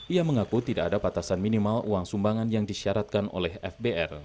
ia mengaku tidak ada batasan minimal uang sumbangan yang disyaratkan oleh fbr